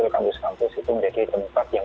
kampus kampus itu menjadi tempat yang